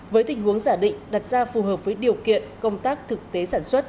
với tình huống giả định đặt ra phù hợp với điều kiện công tác thực tế sản xuất